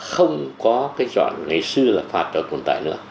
không có cái dọn ngày xưa là phạt cho quần tải nữa